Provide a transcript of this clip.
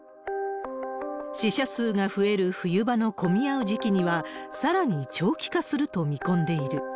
死者数が増える冬場の混み合う時期には、さらに長期化すると見込んでいる。